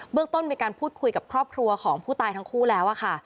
เรื่องต้นมีการพูดคุยกับครอบครัวของผู้ตายทั้งคู่แล้วค่ะ